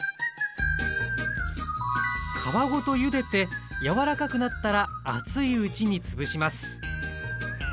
皮ごとゆでて柔らかくなったら熱いうちにつぶします